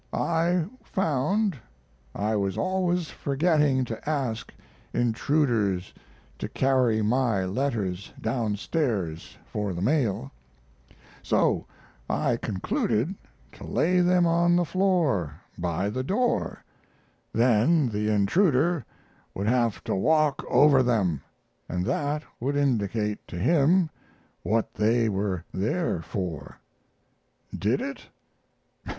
I found I was always forgetting to ask intruders to carry my letters down stairs for the mail, so I concluded to lay them on the floor by the door; then the intruder would have to walk over them, & that would indicate to him what they were there for. Did it?